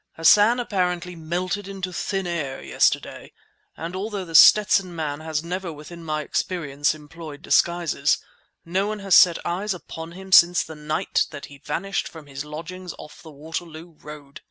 Hassan apparently melted into thin air yesterday; and although The Stetson Man has never within my experience employed disguises, no one has set eyes upon him since the night that he vanished from his lodgings off the Waterloo Road.